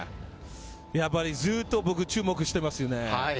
やっぱりずっと僕、注目してますよね。